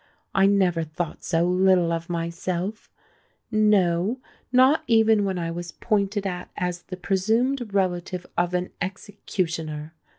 I never thought so little of myself—no, not even when I was pointed at as the presumed relative of an executioner.